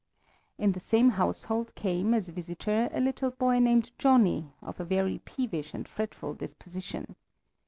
In the same household came, as visitor, a little boy named Johnny, of a very peevish and fretful disposition.